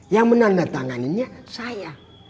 yang menandatanganinya saya